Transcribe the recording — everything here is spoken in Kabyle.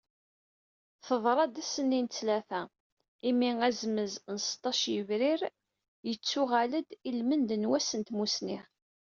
Teḍra-d ass-nni n ttlata, imi azemz n seṭṭac yebrir yettuɣal-d ilmend n wass n tmussni.